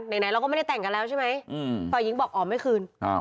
ไหนเราก็ไม่ได้แต่งกันแล้วใช่ไหมฝ่ายหญิงบอกอ๋อไม่คืน